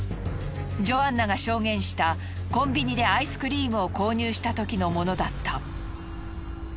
ジョアンナが証言したコンビニでアイスクリームを購入したときのものだった。